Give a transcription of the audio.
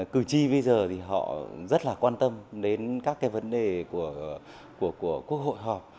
cử tri bây giờ thì họ rất là quan tâm đến các cái vấn đề của quốc hội họp